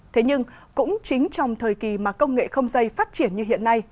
thế nhưng cũng chính trong thời kỳ mà công nghệ không dây phát triển như hiện nay